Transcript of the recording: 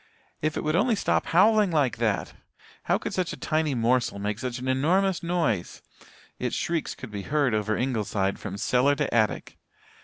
If it would only stop howling like that! How could such a tiny morsel make such an enormous noise. Its shrieks could be heard over Ingleside from cellar to attic.